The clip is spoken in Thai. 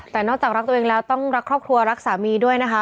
แต่นอกจากรักตัวเองแล้วต้องรักครอบครัวรักสามีด้วยนะคะ